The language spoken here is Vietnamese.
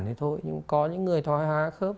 thì thôi nhưng có những người thói hóa khớp